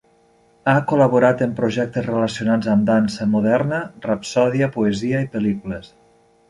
Ha col·laborat en projectes relacionats amb dansa moderna, rapsòdia, poesia i pel·lícules.